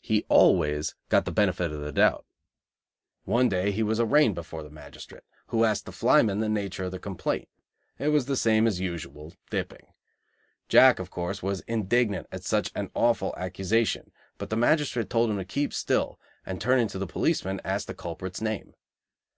He always got the benefit of the doubt. One day he was arraigned before the magistrate, who asked the flyman the nature of the complaint. It was the same as usual dipping. Jack, of course, was indignant at such an awful accusation, but the magistrate told him to keep still, and, turning to the policeman, asked the culprit's name.